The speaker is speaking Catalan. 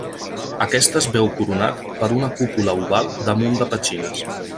Aquest es veu coronat per una cúpula oval damunt de petxines.